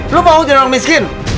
lu mau jadi orang miskin